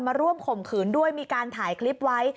ร่วมข่มขืนด้วยมีการถ่ายคลิปไว้